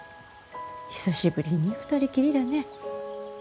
久しぶりに二人きりだね。